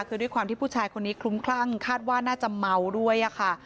คือด้วยความที่ผู้ชายคนนี้คลุ้มคลั่งคาดว่าน่าจะเมาด้วยค่ะ